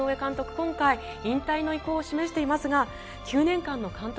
今回引退の意向を示していますが９年間の監督